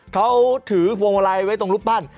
เขาถือพวงมาลัยไว้ตรงรูปปั้น